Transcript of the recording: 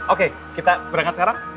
oke kita berangkat sekarang